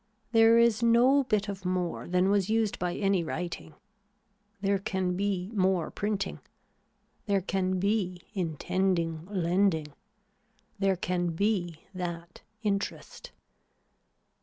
There is no bit of more than was used by any writing. There can be more printing. There can be intending lending. There can be that interest.